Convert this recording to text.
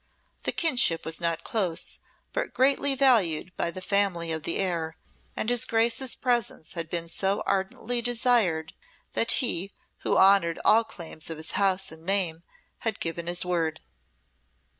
The kinship was not close, but greatly valued by the family of the heir, and his Grace's presence had been so ardently desired, that he, who honoured all claims of his house and name, had given his word.